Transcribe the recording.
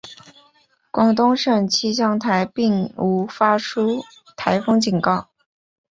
广东省气象台并无发出台风警告。